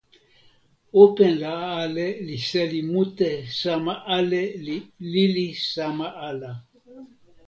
open la ale li seli mute sama ale li lili sama ala.